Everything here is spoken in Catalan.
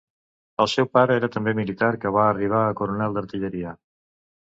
El seu pare era també militar que va arribar a coronel d'artilleria.